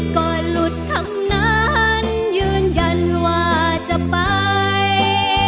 ก่อนหลุดทั้งนั้นยืนยันว่าจะไป